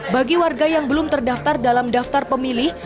bagi warga yang belum terdaftar dalam daftar pemilih